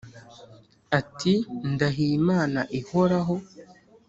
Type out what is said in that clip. ati “Ndahiye Imana ihoraho”